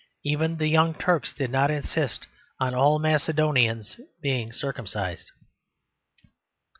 Even the Young Turks did not insist on all Macedonians being circumcised.